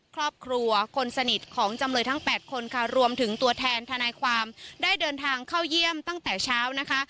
ครอบครัวคนสนิทของจำเลยทั้ง๘คนค่ะรวมถึงตัวแทนทนายความได้เดินทางเข้าเยี่ยมตั้งแต่เช้านะคะ